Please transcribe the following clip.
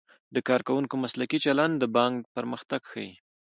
د کارکوونکو مسلکي چلند د بانک پرمختګ ښيي.